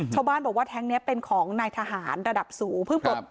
โชว์บ้านบอกว่าแท๊งเนี้ยเป็นของในทหารระดับสูงเพิ่งครับ